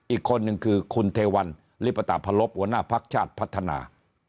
อีกคนนึงคือคุณเทวันลิปตาพลบหัวหน้าพักชาติพัฒนา